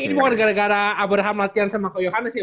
ini bukan gara gara abraham latihan sama ke yohannes ya